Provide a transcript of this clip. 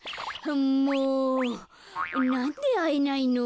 もうなんであえないの？